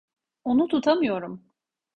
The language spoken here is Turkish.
Onu tutamıyorum.